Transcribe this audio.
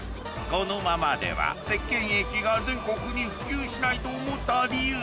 このままでは石けん液が全国に普及しないと思った理由